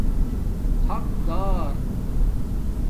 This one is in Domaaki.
حَق دار